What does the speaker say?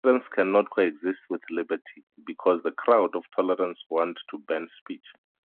"Tolerance cannot coexist with liberty" because "the crowd of tolerance wants to ban speech.